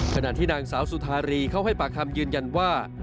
ขณะที่นางสาวสุธารีเขาให้ปากคำยืนยันว่า